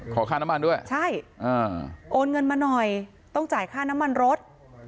ขอค่าน้ำมันด้วยใช่โอนเงินมาหน่อยต้องจ่ายค่าน้ำมันรถ